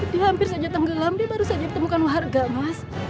dia hampir saja tenggelam dia baru saja ditemukan warga mas